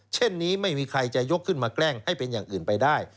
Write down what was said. เช่นนี้ไม่มีใครจะยกขึ้นมาแกล้งให้เป็นอย่างอื่นไปได้